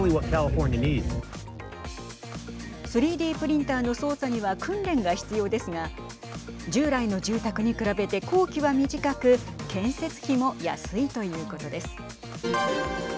３Ｄプリンターの操作には訓練が必要ですが従来の住宅に比べて工期は短く建設費も安いということです。